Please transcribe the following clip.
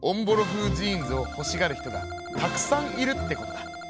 ふうジーンズをほしがる人がたくさんいるってことだ。